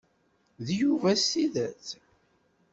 D Yuba s tidet?